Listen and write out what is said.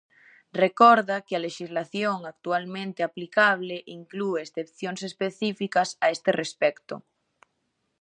Recorda que a lexislación actualmente aplicable inclúe excepcións específicas a este respecto.